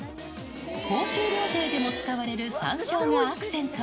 高級料亭でも使われるさんしょうがアクセント。